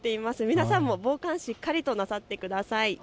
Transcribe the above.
皆さんも防寒、しっかりとなさってください。